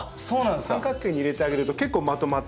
三角形に入れてあげると結構まとまってきたり。